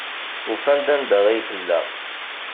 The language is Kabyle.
Ufan-d anda ay tella.